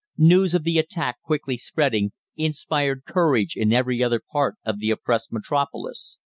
News of the attack, quickly spreading, inspired courage in every other part of the oppressed Metropolis.